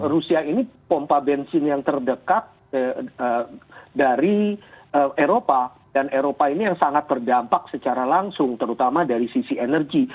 rusia ini pompa bensin yang terdekat dari eropa dan eropa ini yang sangat terdampak secara langsung terutama dari sisi energi